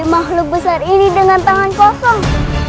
makhluk besar ini dengan tangan kosong